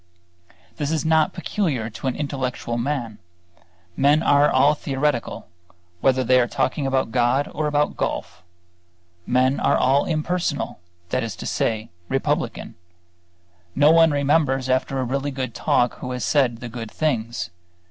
This is not peculiar to intellectual men; men are all theoretical, whether they are talking about God or about golf. Men are all impersonal; that is to say, republican. No one remembers after a really good talk who has said the good things.